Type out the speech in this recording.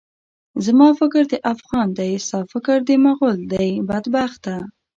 زما فکر د افغان دی، ستا فکر د مُغل دی، بدبخته!